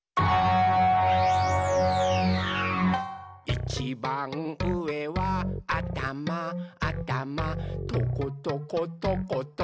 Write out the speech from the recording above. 「いちばんうえはあたまあたまトコトコトコトコおでこだよ！」